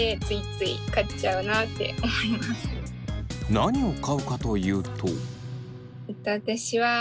何を買うかというと。